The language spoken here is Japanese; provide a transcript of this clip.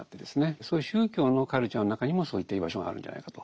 そういう宗教のカルチャーの中にもそういった居場所があるんじゃないかと。